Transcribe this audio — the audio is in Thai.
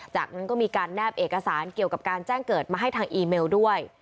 จากนั้นก็มีการแนบเอกสารเกี่ยวกับการแจ้งเกิดมาให้ทางอีเมลด้วย